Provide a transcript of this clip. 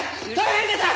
大変です！